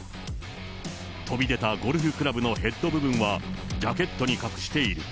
飛び出たゴルフクラブのヘッド部分は、ジャケットに隠している。